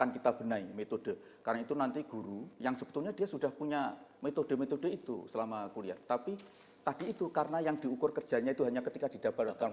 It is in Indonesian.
jadi kita harus menggunakan metode karena itu nanti guru yang sebetulnya dia sudah punya metode metode itu selama kuliah tapi tadi itu karena yang diukur kerjanya itu hanya ketika didapel